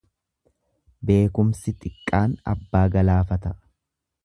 Beekkumsi xiqqaan abbaa galaafata.